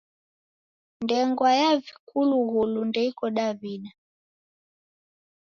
Ndengwa ya vikulughulu ndeiko Daw'ida.